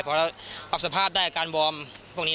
เพราะว่าปรับสภาพได้กับการวอร์มพวกนี้